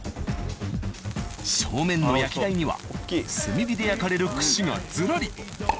正面の焼き台には炭火で焼かれる串がずらり！